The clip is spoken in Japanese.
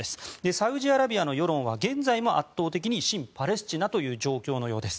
サウジアラビアの世論は現在も圧倒的に親パレスチナという状況のようです。